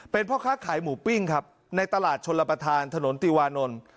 เป็นพ่อค้าขายหมูปิ้งครับในตลาดชนรับประทานถนนติวานนท์